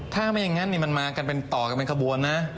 ถ้าไม่อย่างนั้นมันมากันเป็นต่อกันเป็นขบวนนะ